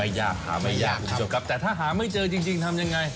ไม่ยากหาไม่ยากแต่ถ้าหาไม่เจอจริงทำยังไง